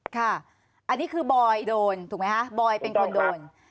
ค่ะอันนี้คือบอยโดนถูกไหมคะบอยเป็นคนโดน